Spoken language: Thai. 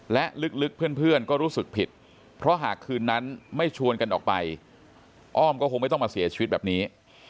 และลึกเพื่อนก็รู้สึกผิดเพราะหากคืนนั้นไม่ชวนกันออกไปอ้อมก็คงไม่ต้องมาเสียชีวิตแบบนี้